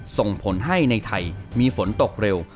ส่งผลให้ในไทยมีฝนตกเร็ว